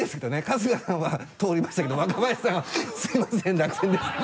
「春日さんは通りましたけど若林さんはすいません落選でした」